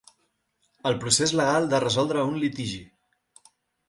El procés legal de resoldre un litigi.